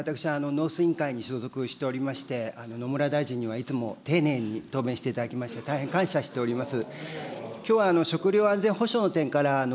私、農水委員会に所属しておりまして、野村大臣にはいつも丁寧にしていただきまして、大変感謝しております。